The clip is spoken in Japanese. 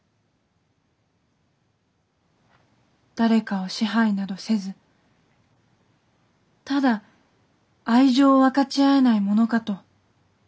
誰かを支配などせずただ愛情を分かち合えないものかと。